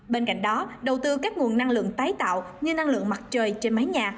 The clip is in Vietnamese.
bên cạnh đó đầu tư các nguồn năng lượng tái tạo như năng lượng mặt trời trên mái nhà